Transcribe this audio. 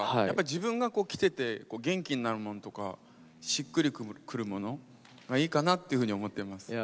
自分が着てて元気になるものとかしっくり来るものがいいかなっていうふうに思ってます。